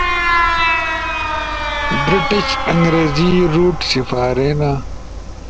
[برٹش انگریزی روٹ سپارینا]